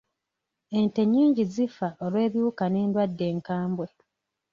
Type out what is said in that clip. Ente nnyingi zifa olw'ebiwuka n'enddwadde enkambwe.